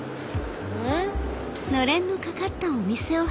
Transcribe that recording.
うん？